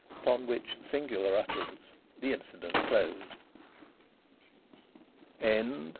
Upon which singular utterance the incident closed.